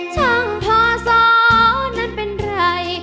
ช่างพ่อซ้อนั้นเป็นไร